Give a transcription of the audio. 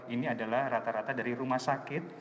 ini adalah rata rata dari rumah sakit